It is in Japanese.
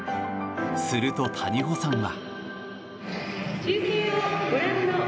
すると、谷保さんは。